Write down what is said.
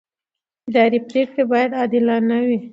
اداري پرېکړه باید عادلانه وي.